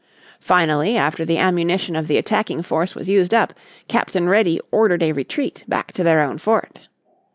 Finally, after the ammunition of the attacking force was used up, Captain Reddy ordered a retreat back to their own fort.